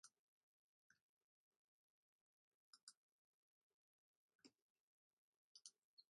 The Hanover Tigers became charter members of the four team Cumberland Valley League.